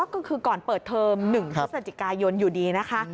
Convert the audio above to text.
ก็คือก่อนเปิดเทอม๑พฤศจิกายนอยู่ดีนะคะ